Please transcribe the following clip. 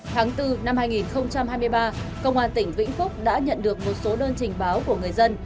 tháng bốn năm hai nghìn hai mươi ba công an tỉnh vĩnh phúc đã nhận được một số đơn trình báo của người dân